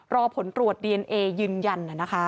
รอผลตรวจดีเอนเอยืนยัน